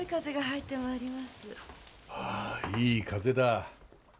ああいい風だ。